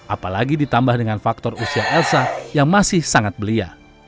apalagi ditambah dengan faktor usia elsa yang masih sangat belia